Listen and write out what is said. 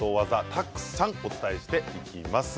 たくさんお伝えしていきます。